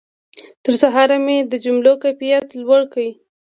تر سهاره مې د جملو کیفیت لوړ کړ.